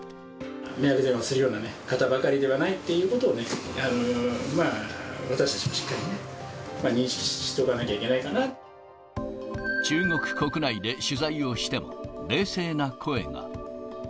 迷惑電話するような方ばかりではないということをね、やはりまあ、私たちもしっかり認識して中国国内で取材をしても、冷静な声が。